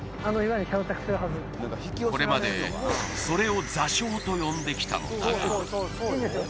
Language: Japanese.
これまでそれを座礁と呼んできたのだがいいんですよ